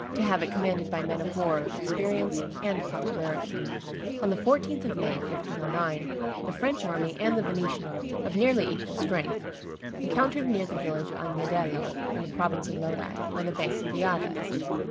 to have it commanded by men of war of experience and popularity. [Illustration: Battle of Agnadello 334] On the 14th of May, 1509, the French army and the Venetian army, of nearly equal strength, encountered near the village of Agnadello, in the province of Lodi, on the banks of the Adda.